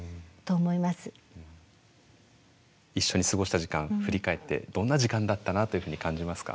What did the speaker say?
一緒に過ごした時間振り返ってどんな時間だったなというふうに感じますか？